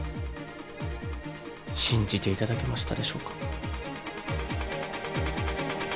信じていただけましたでしょうか。